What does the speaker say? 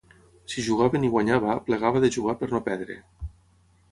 Si jugaven i guanyava, plegava de jugar per no perdre